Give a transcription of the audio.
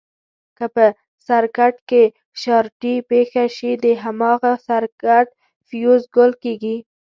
که په سرکټ کې شارټي پېښه شي د هماغه سرکټ فیوز ګل کېږي.